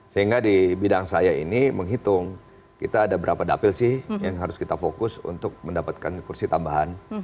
sehingga di bidang saya ini menghitung kita ada berapa dapil sih yang harus kita fokus untuk mendapatkan kursi tambahan